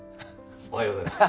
おはようございます。